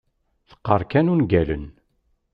Teqqar kan ungalen.